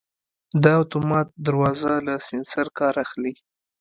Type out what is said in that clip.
دا اتومات دروازه له سنسر کار اخلي.